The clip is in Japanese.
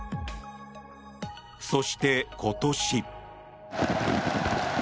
そして、今年。